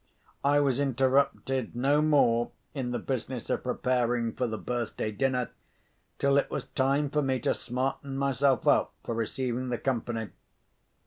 I was interrupted no more in the business of preparing for the birthday dinner till it was time for me to smarten myself up for receiving the company.